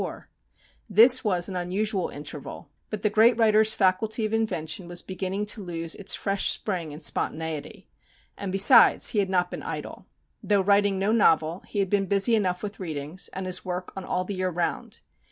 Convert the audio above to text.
This was an unusual interval, but the great writer's faculty of invention was beginning to lose its fresh spring and spontaneity. And besides he had not been idle. Though writing no novel, he had been busy enough with readings, and his work on All the Year Round.